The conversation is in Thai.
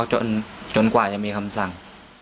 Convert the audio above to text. จนกว่าจะมีคำสั่ง